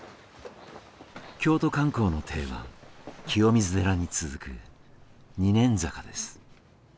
京都観光の定番清水寺に続く二寧坂です。